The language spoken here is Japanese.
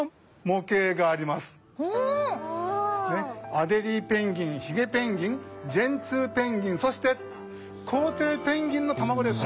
アデリーペンギンヒゲペンギンジェンツーペンギンそしてコウテイペンギンの卵です。